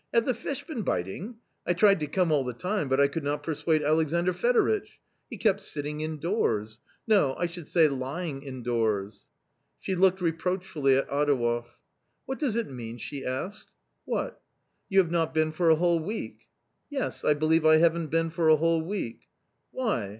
Have the fish been biting ? I tried to come all the time, but I could not persuade Alexandr Fedoritch ; he kept sitting indoors — no, I should say lying indoors." She looked reproachfully at Adouev. " What does it mean ?" she asked. "What?" " You have not been for a whole week ?"" Yes, I believe I haven't been for a whole week ?"" Why